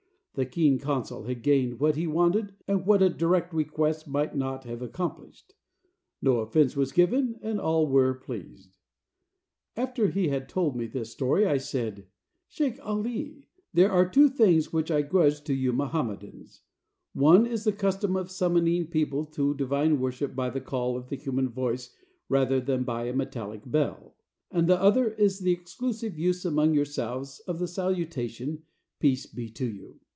The keen consul had gained what he wanted and what a direct request might not have accomplished. No offense was given and all were pleased. After he had told me this story, I said, "Sheik Ali, there are two things which I grudge to you Mohammedans; one is the custom of summoning people to divine worship by the call of the human voice rather than by a metallic bell; and the other is the exclusive use among yourselves of the salutation, 'Peace be to you.'"